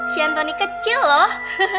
si antoni kecil loh